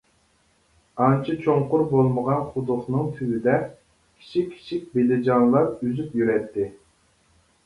ئانچە چوڭقۇر بولمىغان قۇدۇقنىڭ تۈۋىدە كىچىك-كىچىك بېلىجانلار ئۈزۈپ يۈرەتتى.